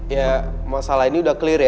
ya masalah ini sudah clear ya